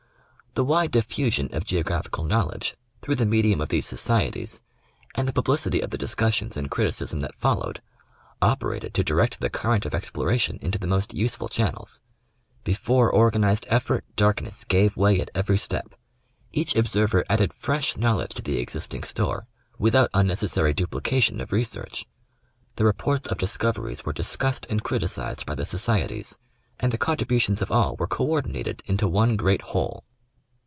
The wide diffusion of geographical knowledge through the medium of these societies and the publicity of the discussions and criticism that followed, operated to direct the current of exploration into the most useful channels. Before organized effort, darkness gave way at every step. Each observer added fresh knowledge to the existing store, without unnecessary duplication of research. The reports of discoveries were discussed and criticized by the socie ties, and the conti'ibutions of all were co ordinated into one great whole.